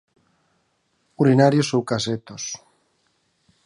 Urinarios ou casetos.